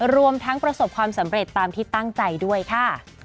รวมทั้งประสบความสำเร็จตามที่ตั้งใจด้วยค่ะ